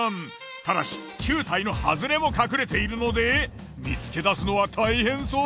ただし９体のハズレも隠れているので見つけだすのは大変そう。